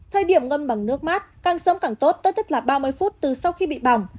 thời điểm ngâm bằng nước mát càng sớm càng tốt tức là ba mươi phút từ sau khi bị bỏng